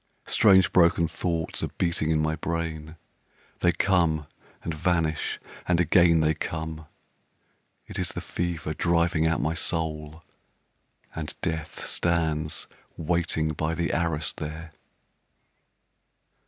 Strange broken thoughts are beating in my brain, They come and vanish and again they come. It is the fever driving out my soul, And Death stands waiting by the arras there.